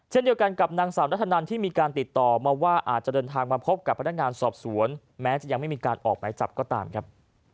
เช่นเดียวกันกับนางสาวนัทธนันที่มีการติดต่อมาว่าอาจจะเดินทางมาพบกับพนักงานสอบสวนแม้จะยังไม่มีการออกหมายจับก็ตามครับ